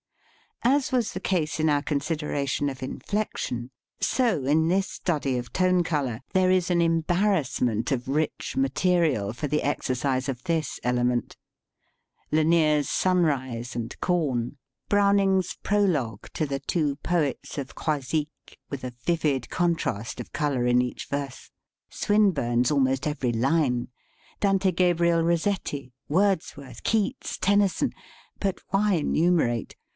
As was the case in our consideration of inflection, so in this study of tone color there is an embarrassment of rich material for the exercise of this element. Lanier's "Sun rise" and "Corn"; Browning's "Prologue" to "The Two Poets of Croisic," with a vivid contrast of color in each verse; Swinburne's almost every line; Dante Gabriel Rossetti, Wordsworth, Keats, Tennyson but why enumerate?